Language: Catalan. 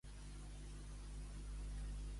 Haver-hi França i Espanya.